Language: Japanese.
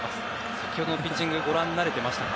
先ほどのピッチングご覧になれていましたか？